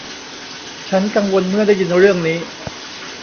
ฉันกังวลเมื่อได้ยินเรื่องนี้